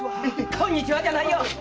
「こんにちは」じゃないよ！